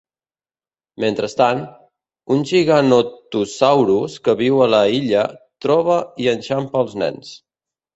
Mentrestant, un "Giganotosaurus" que viu a la illa troba i enxampa els nens.